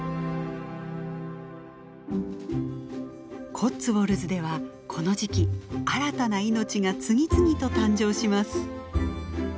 コッツウォルズではこの時期新たな命が次々と誕生します。